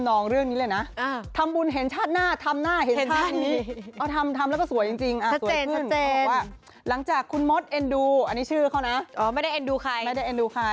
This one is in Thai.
อันนี้ชื่อเขานะไม่ได้เอ็นดูใคร